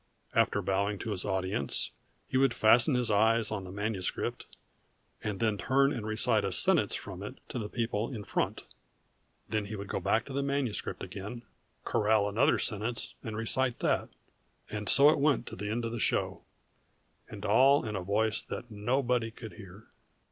After bowing to his audience he would fasten his eyes on the manuscript and then turn and recite a sentence from it to the people in front. Then he would go back to the manuscript again, corral another sentence, and recite that. _And so it went to the end of the show and all in a voice that nobody could hear!